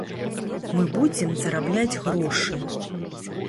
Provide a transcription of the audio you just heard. Мы будзем зарабляць грошы.